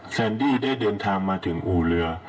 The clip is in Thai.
แซนดี้ได้เดินทางมาถึงอู่เรือ